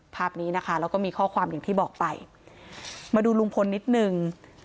ภาพนี้นะคะแล้วก็มีข้อความอย่างที่บอกไปมาดูลุงพลนิดนึง